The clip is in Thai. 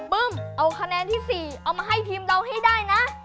บึ้มเอาคะแนนที่๔เอามาให้ทีมเราให้ได้นะ